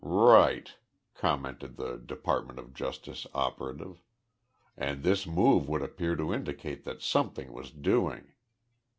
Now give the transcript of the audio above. "Right," commented the Department of Justice operative, "and this move would appear to indicate that something was doing.